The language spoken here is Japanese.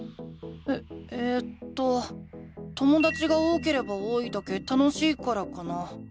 ええとともだちが多ければ多いだけ楽しいからかな。